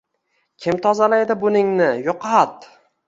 “Kim tozalaydi buningni, yo’qot”